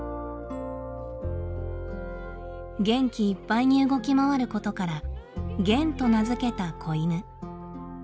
元気いっぱいに動き回ることから「ゲン」と名付けた子犬。